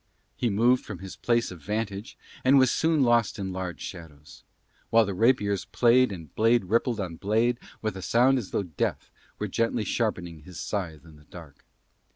He moved from his place of vantage and was soon lost in large shadows; while the rapiers played and blade rippled on blade with a sound as though Death were gently sharpening his scythe in the dark.